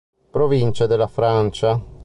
Province della Francia